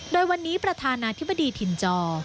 โดยวันนี้ประธานาธิบดีถิ่นจอ